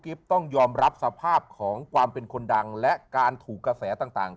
ต้องยอมรับสภาพของความเป็นคนดังและการถูกกระแสต่าง